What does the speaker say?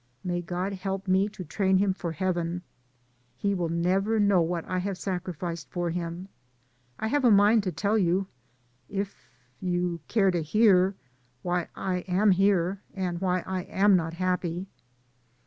May God help me to train him for Heaven. He will never know what I have sacrificed for him. I have a mind to tell you, if you care to hear, why I am here, and why I am not happy."